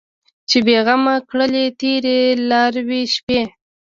چې بې غمه کړلې تېرې لاروي شپې